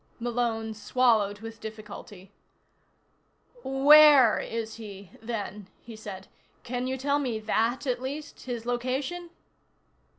Malone swallowed with difficulty. "Where is he, then," said. "Can you tell me that, at least? His location?"